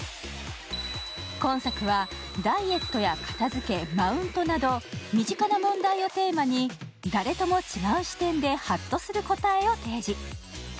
今作はダイエットや片づけマウントなど身近な問題をテーマに誰とも違う視点でハッとする答えを提示。